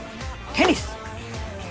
テニス？